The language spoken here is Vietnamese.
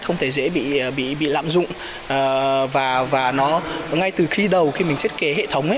không thể dễ bị lạm dụng và ngay từ khi đầu khi mình thiết kế hệ thống